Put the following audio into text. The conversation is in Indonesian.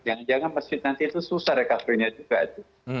jangan jangan masjid nanti itu susah rekaprinya juga